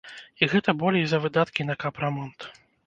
І гэта болей за выдаткі на капрамонт.